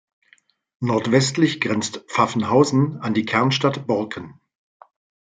Nordwestlich grenzt Pfaffenhausen an die Kernstadt Borken.